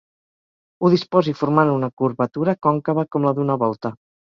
Ho disposi formant una curvatura còncava com la d'una volta.